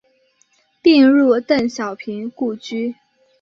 并入邓小平故居。